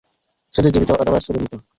শুধু জীবিত অথবা শুধু মৃত।